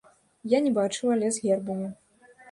Я не бачыў, але з гербамі.